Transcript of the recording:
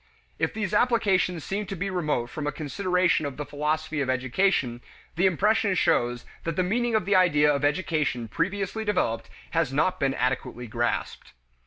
If these applications seem to be remote from a consideration of the philosophy of education, the impression shows that the meaning of the idea of education previously developed has not been adequately grasped.